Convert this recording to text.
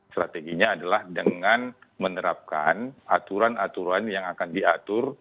strateginya adalah dengan menerapkan aturan aturan yang akan diatur